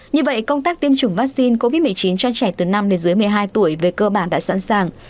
như vậy công tác tiêm chủng vaccine covid một mươi chín cho trẻ từ năm đến dưới một mươi hai tuổi về cơ bản đã sẵn sàng